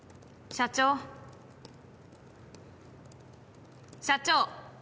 社長社長！